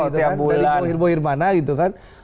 dari bo hirmana gitu kan